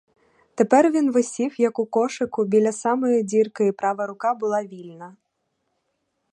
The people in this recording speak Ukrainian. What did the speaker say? Тепер він висів, як у кошику, біля самої дірки і права рука була вільна.